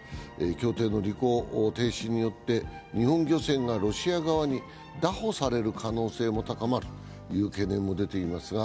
協定の履行停止によって日本漁船がロシア側にだ捕される可能性も高まるという懸念も出ていますが、